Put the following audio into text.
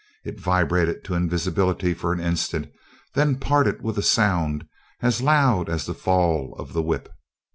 It vibrated to invisibility for an instant, then parted with a sound as loud as the fall of the whip.